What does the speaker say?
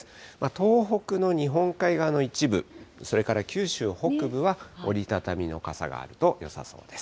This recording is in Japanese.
東北の日本海側の一部、それから九州北部は折り畳みの傘があるとよさそうです。